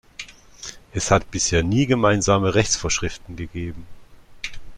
Es hat bisher nie gemeinsame Rechtsvorschriften gegeben.